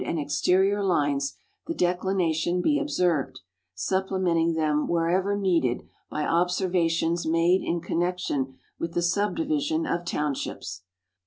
and exterior lines the declination be observed), supplementing them wherever needed by observations made in connection with the subdivision of townships.